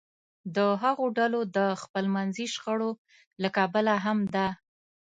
د هغو ډلو د خپلمنځي شخړو له کبله هم ده